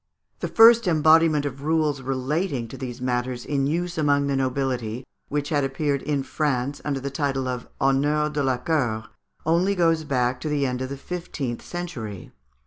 The first embodiment of rules relating to these matters in use among the nobility, which had appeared in France under the title of "Honneurs de la Cour," only goes back to the end of the fifteenth century.